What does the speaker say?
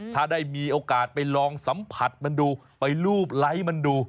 ถ้าได้มีโอกาสไปลองสัมผัสมันดูไปรูปไลค์มันดู